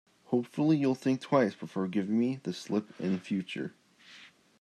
Hopefully, you'll think twice before giving me the slip in future.